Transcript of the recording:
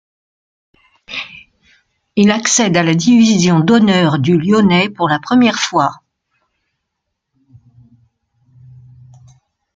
Il accède à la Division d'Honneur du Lyonnais pour la première fois.